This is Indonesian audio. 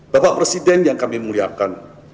bapak presiden yang kami muliakan